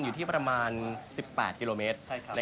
อยู่ที่ประมาณ๑๘กิโลเมตร